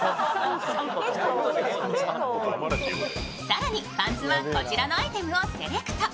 更にパンツはこちらのアイテムをセレクト。